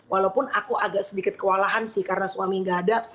walaupun aku agak sedikit kewalahan sih karena suami gak ada